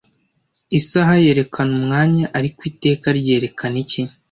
Isaha yerekana umwanya-ariko iteka ryerekana iki?